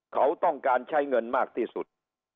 เขาต้องการใช้เงินมากที่สุด